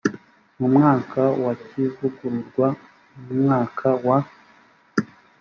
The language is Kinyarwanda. mu mwaka wa kivugururwa mu mwaka wa